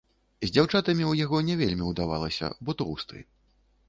З дзяўчатамі ў яго не вельмі ўдавалася, бо тоўсты.